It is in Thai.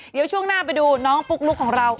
เดี๋ยวช่วงหน้าไปดูน้องปุ๊กลุ๊กของเรา